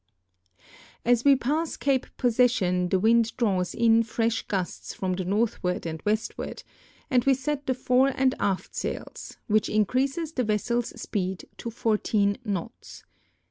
As we pass Cape Possession the wind draws in fresh gusts from the northward and westward, and we set the fore and aft sails, whicli increases the vessel's speed to 14 knots.